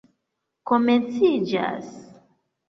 komenciĝas